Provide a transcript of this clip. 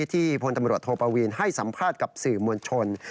พลตำรวจโทปวีนให้สัมภาษณ์กับสื่อมวลชน